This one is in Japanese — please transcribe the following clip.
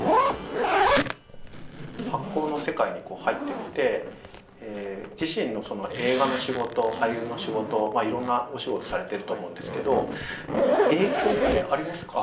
発酵の世界に入ってみて自身の映画の仕事俳優の仕事いろんなお仕事されてると思うんですけど影響ってありますか？